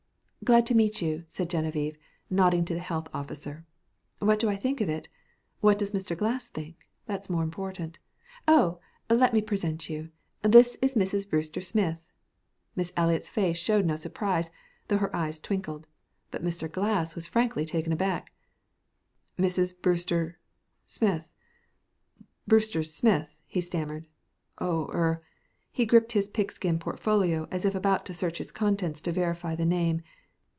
"Glad to meet you," said Genevieve, nodding to the health officer. "What do I think of it? What does Mr. Glass think? That's more important. Oh, let me present you this is Mrs. Brewster Smith." Miss Eliot's face showed no surprise, though her eyes twinkled, but Mr. Glass was frankly taken aback. "Mrs. Brewster Smith Brewster Smith," he stammered. "Oh er " he gripped his pigskin folio as if about to search its contents to verify the name.